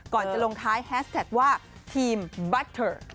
ก่อนจะลงท้ายแฮสแท็กว่าทีมบัตเทอร์